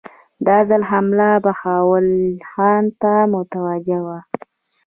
دا ځل حمله بهاول خان ته متوجه وه.